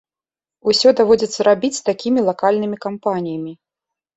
Усё даводзіцца рабіць такімі лакальнымі кампаніямі.